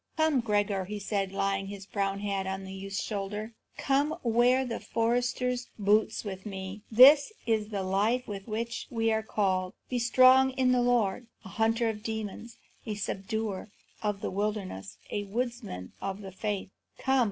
"Come, Gregor," he said, laying his brown hand on the youth's shoulder, "come, wear the forester's boots with me. This is the life to which we are called. Be strong in the Lord, a hunter of the demons, a subduer of the wilderness, a woodsman of the faith. Come!"